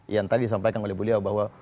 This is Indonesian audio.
yang tadi disampaikan oleh beliau bahwa